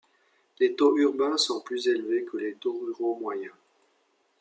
Les taux urbains sont plus élevés que les taux ruraux moyens.